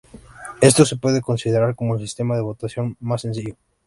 Éste se puede considerar como el sistema de votación más sencillo.